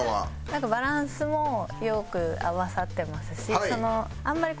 なんかバランスもよく合わさってますしあんまり